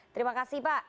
terima kasih pak